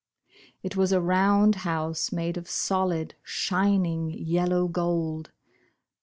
It was a round house made of solid, shining, yellow gold.